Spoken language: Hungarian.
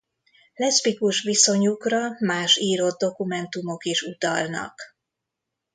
Leszbikus viszonyukra más írott dokumentumok is utalnak.